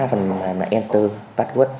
phần mạng là enter password